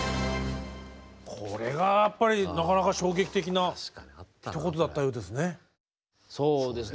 これがやっぱりなかなか衝撃的なひと言だったようですね。